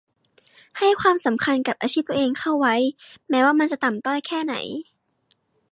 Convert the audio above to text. ให้ความสำคัญกับอาชีพของตัวเองเข้าไว้ แม้ว่ามันจะต่ำต้อยแค่ไหน